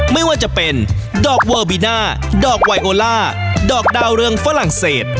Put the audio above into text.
ไม่ว่าจะเป็นดอกเวอร์บิน่าดอกไวโอล่าดอกดาวเรืองฝรั่งเศส